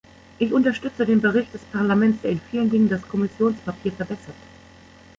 Ich unterstütze den Bericht des Parlaments, der in vielen Dingen das Kommissionspapier verbessert.